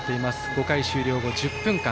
５回終了後、１０分間。